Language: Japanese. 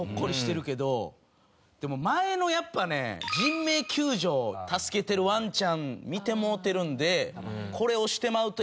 でも前のやっぱね人命救助助けてるワンちゃん見てもうてるんでこれ押してまうと。